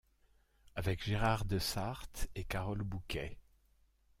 Avec Gérard Desarthe et Carole Bouquet.